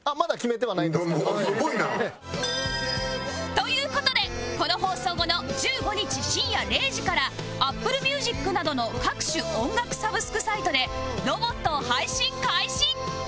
という事でこの放送後の１５日深夜０時からアップルミュージックなどの各種音楽サブスクサイトで『ロボット』を配信開始！